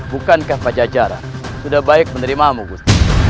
bukankah pajak jalan sudah baik menerimamu gus